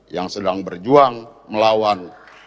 yang sedang berjuang melawan